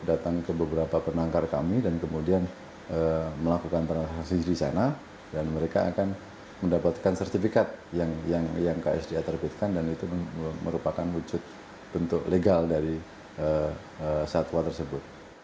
datang ke beberapa penangkar kami dan kemudian melakukan transaksi di sana dan mereka akan mendapatkan sertifikat yang ksda terbitkan dan itu merupakan wujud bentuk legal dari satwa tersebut